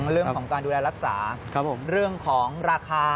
เรื่องของการดูแลรักษาเรื่องของราคา